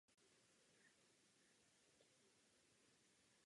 Hereckou kariéru zahájil v televizních reklamách.